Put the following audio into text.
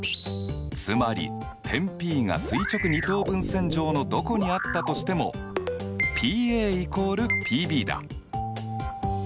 つまり点Ｐが垂直二等分線上のどこにあったとしてもＰＡ＝ＰＢだ。